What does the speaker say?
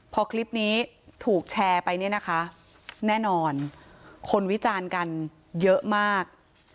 พอคลิปนี้ถูกแชร์ไปเนี่ยนะคะแน่นอนคนวิจารณ์กันเยอะมาก